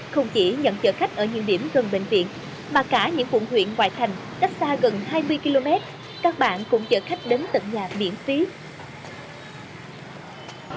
không chỉ nhận chở khách ở những điểm gần bệnh viện mà cả những quận huyện ngoại thành cách xa gần hai mươi km các bạn cũng chở khách đến tận nhà miễn phí